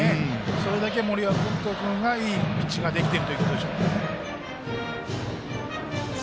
それだけ森岡君がいいピッチングができているということでしょう。